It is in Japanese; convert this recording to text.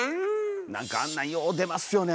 なんかあんなんよう出ますよね